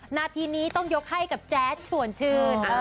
นาทีนี้ต้องยกให้กับแจ๊ดชวนชื่น